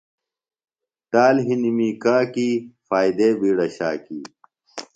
ٹال ہِنیۡ می کاکی، فائدے بِیڈہ شاکی